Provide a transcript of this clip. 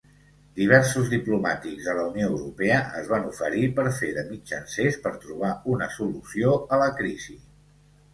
Diversos diplomàtics de la Unió Europea es van oferir per fer de mitjancers per trobar una solució a la crisi.